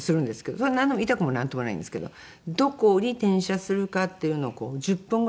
それは痛くもなんともないんですけどどこに点射するかっていうのを１０分ぐらい探るんですね。